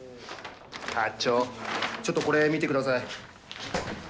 課長ちょっとこれ見て下さい。